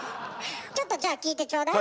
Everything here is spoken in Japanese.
ちょっとじゃあ聞いてちょうだい。